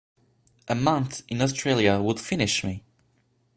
A month in Australia would finish me.